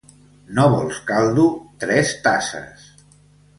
No vols caldo, tres tasses.